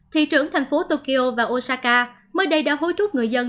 thị trưởng thành phố tokyo và osaka mới đây đã hối thúc người dân